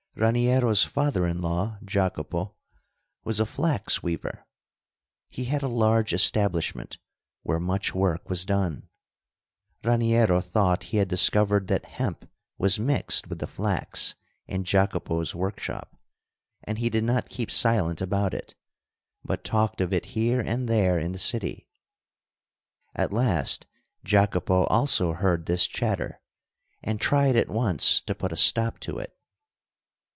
Raniero's father in law, Jacopo, was a flax weaver. He had a large establishment, where much work was done. Raniero thought he had discovered that hemp was mixed with the flax in Jacopo's workshop, and he did not keep silent about it, but talked of it here and there in the city. At last Jacopo also heard this chatter, and tried at once to put a stop to it.